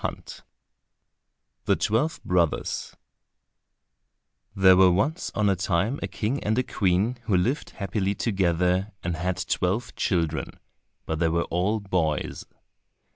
9 The Twelve Brothers There were once on a time a king and a queen who lived happily together and had twelve children, but they were all boys.